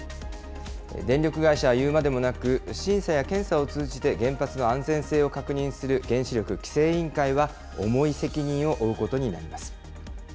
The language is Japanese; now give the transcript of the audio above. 電力会社はいうまでもなく、審査や検査を通じて原発の安全性を確認する原子力規制委員会は、重い責任を負うことになります。